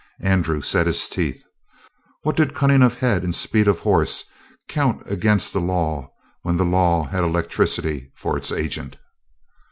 Andrew set his teeth. What did cunning of head and speed of horse count against the law when the law had electricity for its agent?